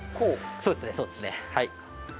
そうですねそうですねはい。